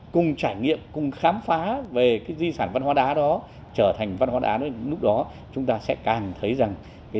cũng như của ông ở làng phuỳ thị này